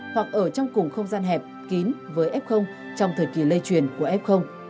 hoặc ở trong cùng không gian hẹp kín với f trong thời kỳ lây truyền của f